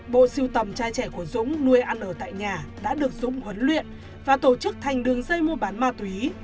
bộ siêu tầm trai trẻ của dũng nuôi ăn ở tại nhà đã được dũng huấn luyện và tổ chức thành đường dây mua bán ma túy